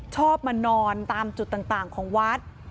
ชอบมานอนตามจุดต่างของวัด